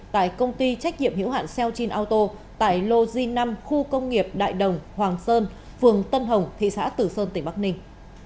tại công ty trách nhiệm hiểu hạn seochin aoto tại lô g năm khu công nghiệp đại đồng hoàng sơn phường tân hồng thị xã tử sơn tỉnh bắc ninh